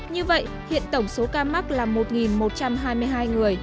như vậy hiện tổng số ca mắc là một một trăm hai mươi hai người